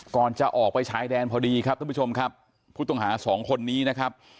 ก่อนจะออกไปชายแดนพอดีครับท่านผู้ชมครับผู้ต้องหาสองคนนี้นะครับ